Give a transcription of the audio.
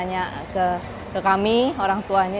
nanya ke kami orangtuanya